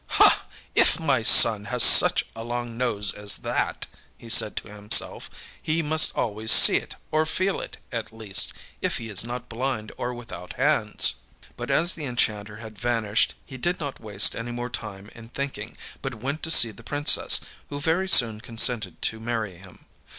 âIf my son has such a long nose as that,â he said to himself, âhe must always see it or feel it; at least, if he is not blind or without hands.â But, as the enchanter had vanished, he did not waste any more time in thinking, but went to seek the Princess, who very soon consented to marry him.